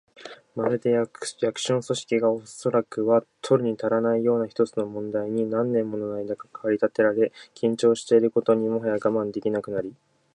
まるで、役所の組織が、おそらくは取るにたらぬような一つの問題に何年ものあいだ駆り立てられ、緊張していることにもはや我慢できなくなり、